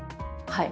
はい！